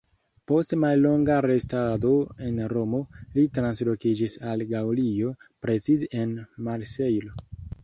Post mallonga restado en Romo, li translokiĝis al Gaŭlio, precize en Marsejlo.